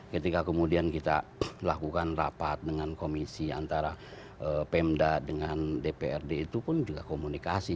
ketika kemudian kita melakukan rapat dengan komisi antara pemda dengan dprd itu pun juga komunikasi